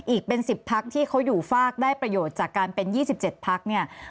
อีกเป็น๑๐พักที่เขาอยู่ฟากได้ประโยชน์จากการเป็น๒๗พักเนี่ย